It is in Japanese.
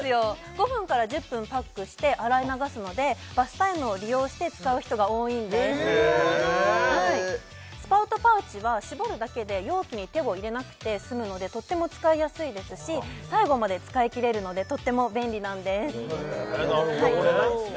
５分から１０分パックして洗い流すのでバスタイムを利用して使う人が多いんですへえなるほどスパウトパウチは絞るだけで容器に手を入れなくて済むのでとっても使いやすいですし最後まで使い切れるのでとっても便利なんですなるほどねそうなんですね